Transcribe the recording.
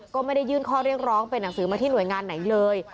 ก็ไม่ได้ยื่นข้อเรียกร้องเป็นหนังสือมาที่หน่วยงานไหนเลย